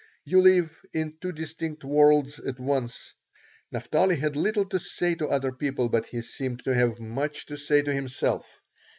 You live in two distinct worlds at once. Naphtali had little to say to other people, but he seemed to have much to say to himself.